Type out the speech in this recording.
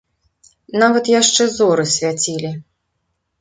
Нават яшчэ зоры свяцілі.